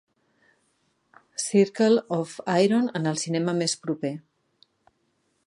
Circle of Iron en el cinema més proper